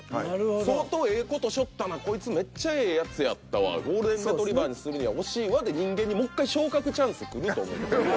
相当ええ事しよったなこいつめっちゃええやつやったわゴールデンレトリバーにするには惜しいわで人間にもう一回昇格チャンス来ると思うんです。